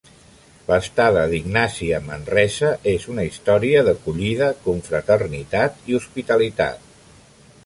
L’estada d’Ignasi a Manresa és una història d’acollida, confraternitat i hospitalitat.